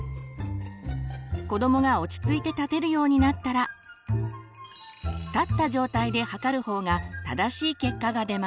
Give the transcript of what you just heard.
子どもが落ち着いて立てるようになったら立った状態で測る方が正しい結果が出ます。